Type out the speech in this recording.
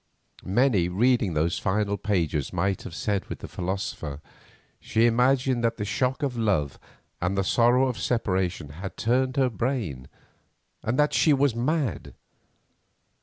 Many reading those final pages might have said with the philosopher she imagined that the shock of love and the sorrow of separation had turned her brain, and that she was mad.